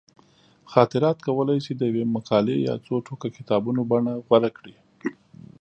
خاطرات کولی شي د یوې مقالې یا څو ټوکه کتابونو بڼه غوره کړي.